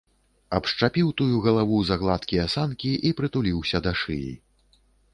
Абшчапіў тую галаву за гладкія санкі і прытуліўся да шыі.